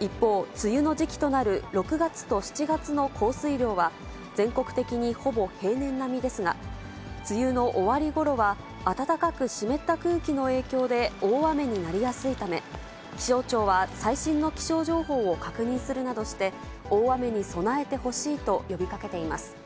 一方、梅雨の時期となる６月と７月の降水量は、全国的にほぼ平年並みですが、梅雨の終わりごろは、暖かく湿った空気の影響で大雨になりやすいため、気象庁は最新の気象情報を確認するなどして、大雨に備えてほしいと呼びかけています。